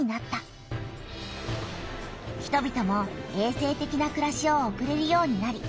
人びともえい生てきなくらしを送れるようになり